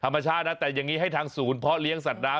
ธรรมชาตินะแต่อย่างนี้ให้ทางศูนย์เพาะเลี้ยงสัตว์น้ำ